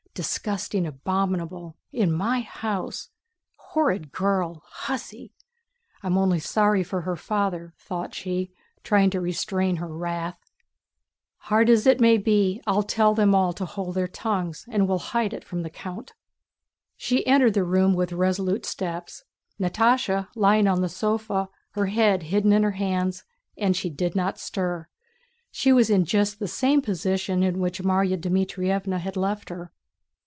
"Disgusting, abominable... In my house... horrid girl, hussy! I'm only sorry for her father!" thought she, trying to restrain her wrath. "Hard as it may be, I'll tell them all to hold their tongues and will hide it from the count." She entered the room with resolute steps. Natásha lying on the sofa, her head hidden in her hands, and she did not stir. She was in just the same position in which Márya Dmítrievna had left her.